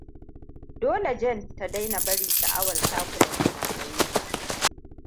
Dole Jane ta daina bari sha'awan cakulan ya mamaye ta.